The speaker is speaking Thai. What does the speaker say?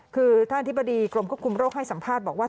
คือท่านอธิบดีกรมควบคุมโรคให้สัมภาษณ์บอกว่า